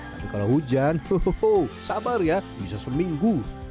tapi kalau hujan sabar ya bisa seminggu